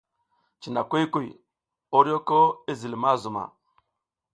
Cina kuy kuy, oryoko i zil ma zuma.